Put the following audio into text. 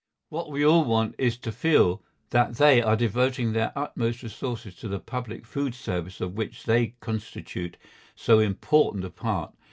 What we all want is to feel that they are devoting their utmost resources to the public food service of which they constitute so important a part.